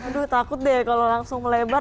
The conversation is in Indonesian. aduh takut deh kalau langsung melebar